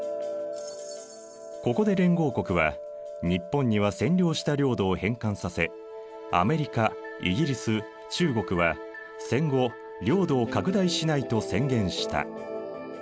ここで連合国は日本には占領した領土を返還させアメリカイギリス中国は戦後領土を拡大しないと宣言した。